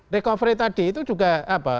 recovery tadi itu juga apa